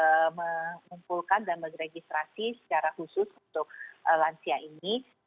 kita mengumpulkan dan meregistrasi secara khusus untuk lansia ini